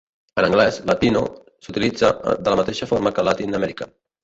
En anglès, "Latino" s'utilitza de la mateixa forma que "Latin American".